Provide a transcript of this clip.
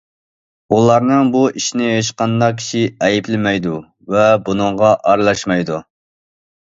ئۇلارنىڭ بۇ ئىشىنى ھېچقانداق كىشى ئەيىبلىمەيدۇ ۋە بۇنىڭغا ئارىلاشمايدۇ.